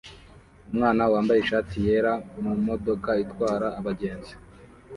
Umwana wambaye ishati yera mumodoka itwara abagenzi